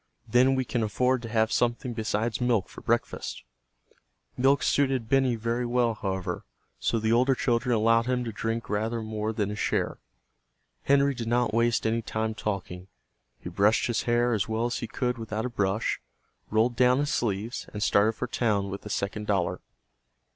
Then we can afford to have something besides milk for breakfast." Milk suited Benny very well, however, so the older children allowed him to drink rather more than his share. Henry did not waste any time talking. He brushed his hair as well as he could without a brush, rolled down his sleeves, and started for town with the second dollar.